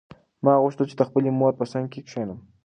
ما غوښتل چې د خپلې مور په څنګ کې کښېنم.